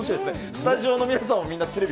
スタジオの皆さんもみんなテレビ